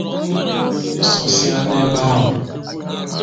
sọsịa n'ebe ahụ.